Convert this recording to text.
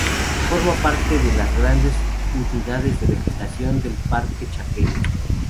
Forma parte de las grandes unidades de vegetación del parque Chaqueño.